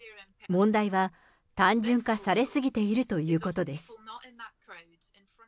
問題は単純化されすぎているということです。